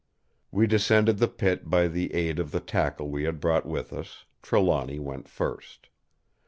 "We descended the Pit by the aid of the tackle we had brought with us. Trelawny went first.